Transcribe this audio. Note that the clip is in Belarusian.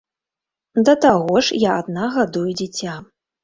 Да таго ж я адна гадую дзіця.